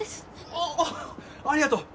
ああありがとう！